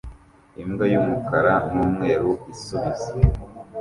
Imbwa y'umukara n'umweru isubiza